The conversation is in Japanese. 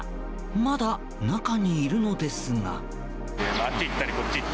まだ、中にいるのですが。